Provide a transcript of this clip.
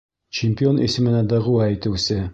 Чемпион исеменә дәғүә итеүсе